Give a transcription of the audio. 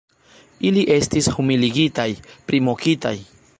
Ili estis humiligitaj, primokitaj.